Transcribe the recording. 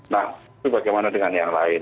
nah itu bagaimana dengan yang lain